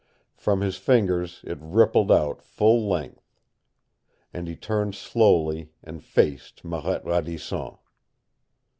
From his fingers it rippled out full length. And he turned slowly and faced Marette Radisson.